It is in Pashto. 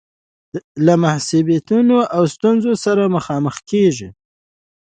له مصیبتونو او ستونزو سره مخامخ کيږو.